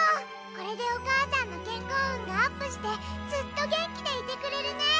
これでおかあさんのけんこううんがアップしてずっとげんきでいてくれるね。